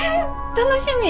楽しみ。